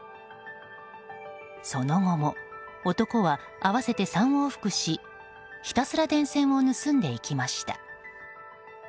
その後も男は合わせて３往復しひたすら電線を盗んでいきました。